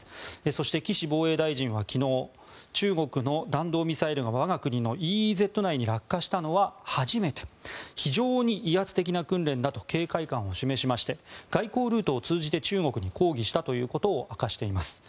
そして、岸防衛大臣は昨日中国の弾道ミサイルが我が国のＥＥＺ内に落下したのは初めて非常に威圧的な訓練だと警戒感を示しまして外交ルートを通じて中国に抗議したということを伝えています。